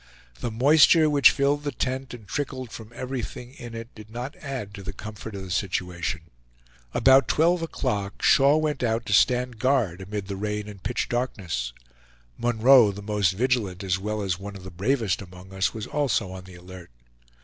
The moisture, which filled the tent and trickled from everything in it, did not add to the comfort of the situation. About twelve o'clock Shaw went out to stand guard amid the rain and pitch darkness. Munroe, the most vigilant as well as one of the bravest among us, was also on the alert.